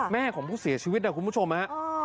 แม่ของผู้เสียชีวิตนะคุณผู้ชมฮะ